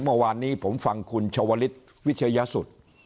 เมื่อวานนี้ผมฟังคุณชวลิศวิชยสุทธิ์